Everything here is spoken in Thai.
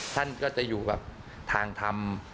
ท่านก็จะอยู่กับทางธรรม